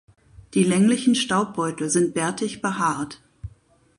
Die länglichen Staubbeutel sind bärtig behaart.